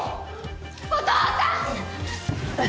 お父さん！